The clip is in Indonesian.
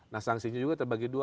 nah sanksinya juga terbagi dua